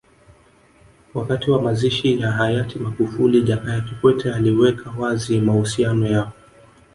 Wakati wa mazishi ya hayati Magufuli Jakaya Kikwete aliweka wazi mahusiano yao